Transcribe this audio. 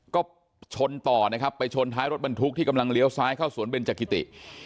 ก็ชนต่อนะครับไปชนท้ายรถบรรทุกที่กำลังเลี้ยวซ้ายเข้าสวนเบนจักิติ